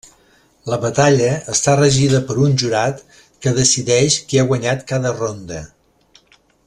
La batalla està regida per un jurat que decideix qui ha guanyat cada ronda.